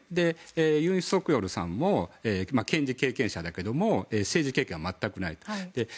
ユン・ソクヨルさんも検事経験者だけど政治経験は全くない。